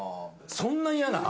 そんな嫌なん？